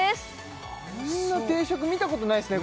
おいしそうこんな定食見たことないですね